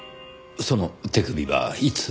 その手首はいつ？